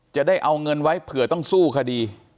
จะได้เอาเงินไว้เผื่อต้องสู้คดี